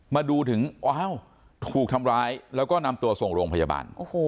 มาดูถึงอ้าวถูกทำร้ายแล้วก็นำตัวส่งโรงพยาบาล